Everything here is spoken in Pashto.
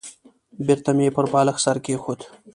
بېرته مې پر بالښت سر کېښود.